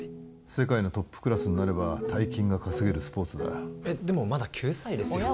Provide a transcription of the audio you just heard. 世界のトップクラスになれば大金が稼げるスポーツだでもまだ９歳ですよ